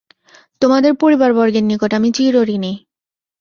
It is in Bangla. তোমাদের পরিবারবর্গের নিকট আমি চিরঋণী।